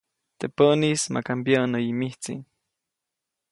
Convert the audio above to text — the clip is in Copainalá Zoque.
Teʼ päʼnis maka mbyäʼnäyi mijtsi.